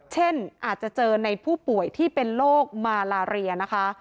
เช่นอาจจะเจอในผู้ป่วยที่เป็นโรคมาลาเรียนะคะ